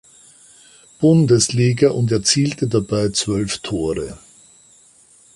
Bundesliga und erzielte dabei zwölf Tore.